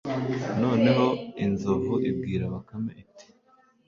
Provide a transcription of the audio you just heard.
noneho inzovu ibwira bakame iti